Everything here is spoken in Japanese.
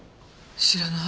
知らない。